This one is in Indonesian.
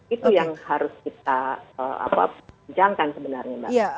itu yang harus kita bincangkan sebenarnya mbak